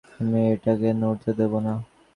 আমি এটাকে নড়তে দেবো না।